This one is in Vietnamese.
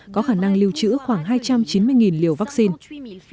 có khả năng lưu trữ khoảng hai trăm chín mươi liều vaccine